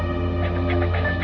aku sudah berhenti